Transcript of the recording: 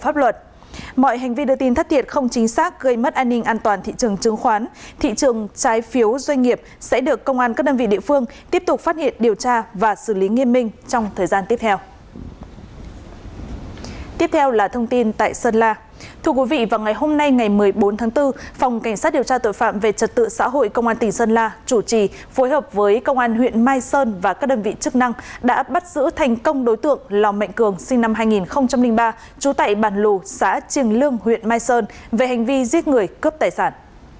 phòng cảnh sát điều tra tội phạm về trật tự xã hội công an tỉnh sơn la chủ trì phối hợp với công an huyện mai sơn và các đơn vị chức năng đã bắt giữ thành công đối tượng lò mạnh cường sinh năm hai nghìn ba trú tại bản lù xã trường lương huyện mai sơn về hành vi giết người cướp tài sản